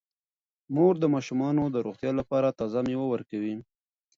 مور د ماشومانو د روغتیا لپاره تازه میوه ورکوي.